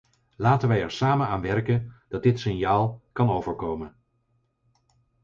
Laten wij er samen aan werken dat dit signaal kan overkomen.